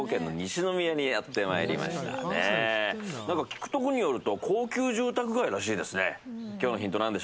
聞くところによると高級住宅街らしいですね。